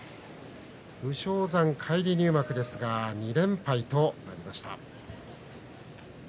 武将山、返り入幕ですが２連敗となりました。